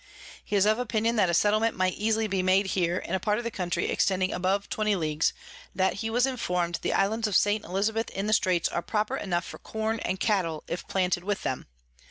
He is of opinion that a Settlement might easily be made here, in a part of the Country extending above 20 Leagues; and that he was inform'd the Islands of St. Elizabeth in the Straits are proper enough for Corn and Cattel, if planted with them.